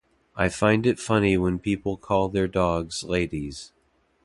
I find it funny when people call their dogs ladies.